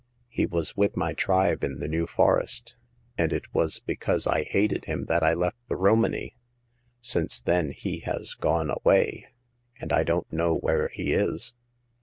He was with my tribe in the New Forest, and it was be cause I hated him that I left the Romany. Since then he has gone away, and I don't know where he is.